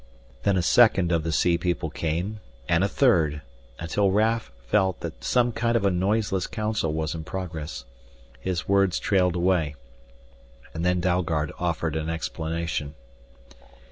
Then a second of the sea people came and a third, until Raf felt that some sort of a noiseless council was in progress. His words trailed away, and then Dalgard offered an explanation.